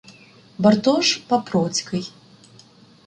Бартош Папроцький: